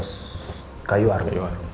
mas kayu arum